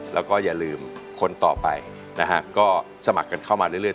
แล้วก็อย่าลืมคนต่อไปนะฮะก็สมัครกันเข้ามาเรื่อย